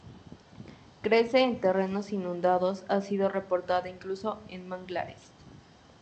Crece en terrenos inundados, ha sido reportada incluso en manglares.